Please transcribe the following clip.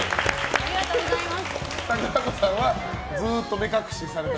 ありがとうございます。